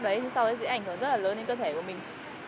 thuốc nhuộm lúc đấy sẽ ảnh hưởng rất là lớn đến cơ thể của mình